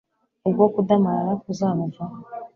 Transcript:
ubwo kudamarara kuzabavaho